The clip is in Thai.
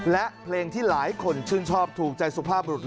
และก็มีการกินยาละลายริ่มเลือดแล้วก็ยาละลายขายมันมาเลยตลอดครับ